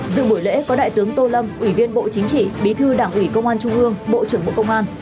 dự buổi lễ có đại tướng tô lâm ủy viên bộ chính trị bí thư đảng ủy công an trung ương bộ trưởng bộ công an